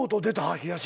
冷やし